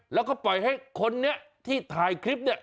แล้วก็ปล่อยให้คนนี้ที่ถ่ายคลิปเนี่ย